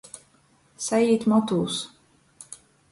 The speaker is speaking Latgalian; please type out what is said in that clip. Saīt motūs.